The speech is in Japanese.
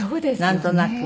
なんとなく。